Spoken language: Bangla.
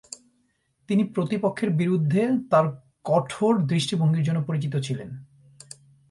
তিনি প্রতিপক্ষের বিরুদ্ধে তার কঠোর দৃষ্টিভঙ্গির জন্য পরিচিত ছিলেন।